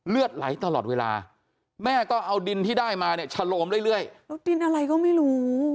เลือดไหลตลอดเวลาแม่ก็เอาดินที่ได้มาเนี่ยชะโลมเรื่อยแล้วดินอะไรก็ไม่รู้